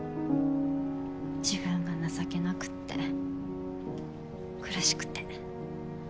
自分が情けなくって苦しくて。